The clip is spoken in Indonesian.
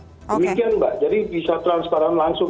demikian mbak jadi bisa transparan langsung